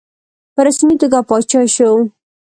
په رسمي توګه پاچا شو.